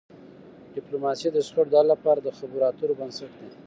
ډيپلوماسي د شخړو د حل لپاره د خبرو اترو بنسټ دی.